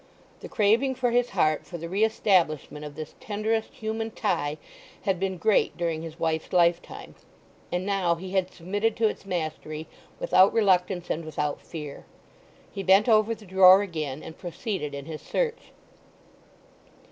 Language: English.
The craving for his heart for the re establishment of this tenderest human tie had been great during his wife's lifetime, and now he had submitted to its mastery without reluctance and without fear. He bent over the drawer again, and proceeded in his search.